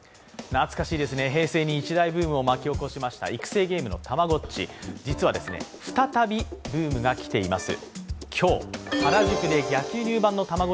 懐かしいですね、平成に一大ブームを巻き起こしました育成ゲームのたまごっち、実は再びブームが来ています。